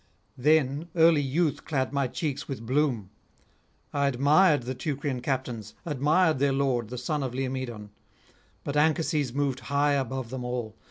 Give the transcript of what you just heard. Then early youth clad my cheeks with bloom. I admired the Teucrian captains, admired their lord, the son of Laomedon; but Anchises moved high above them all.